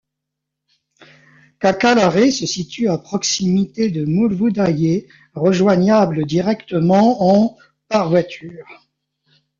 Kakalaré se situe à proximité de Moulvoudaye, rejoignable directement en par voiture.